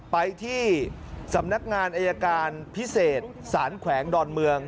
ไปที่สำนักงานอายการพิเศษสารแขวงดอนเมือง